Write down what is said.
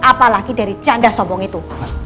apalagi dari canda sombong itu